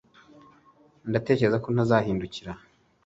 ndatekereza ko nzahindukira